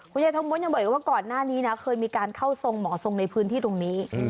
ยายทองม้วนยังบอกว่าก่อนหน้านี้นะเคยมีการเข้าทรงหมอทรงในพื้นที่ตรงนี้